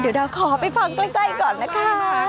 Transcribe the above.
เดี๋ยวเราขอไปฟังใกล้ก่อนนะคะ